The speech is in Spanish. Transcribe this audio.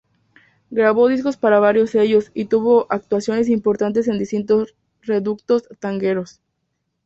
Grabó discos para varios sellos y tuvo actuaciones importantes en distintos reductos tangueros.